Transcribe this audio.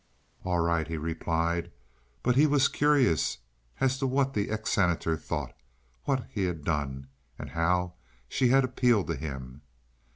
"All right," he replied. But he was curious as to what the ex Senator thought, what he had done, and how she had appealed to him.